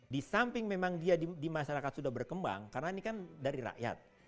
di samping memang dia di masyarakat sudah berkembang karena ini kan dari rakyat